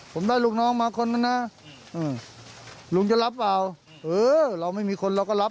ผมได้ลูกน้องมาคนนึงนะลุงจะรับเปล่าเออเราไม่มีคนเราก็รับ